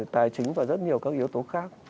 tài chính và rất nhiều các yếu tố khác